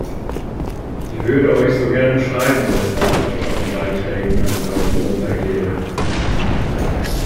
Ich würde euch so gerne schreiben, weshalb ich euren Beiträgen einen Daumen runter gebe!